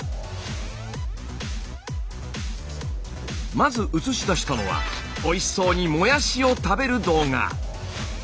まず映し出したのはおいしそうにもやしを食べる動画。